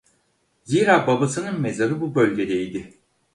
Zira babasının mezarı bu bölgede idi.